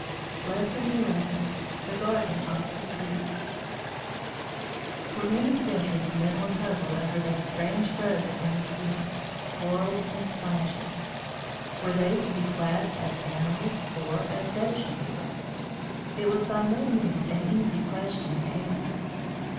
LESSON XI THE GARDEN OF THE SEA For many centuries men were puzzled over those strange growths in the sea Corals and Sponges. Were they to be classed as animals or as vegetables? It was by no means an easy question to answer.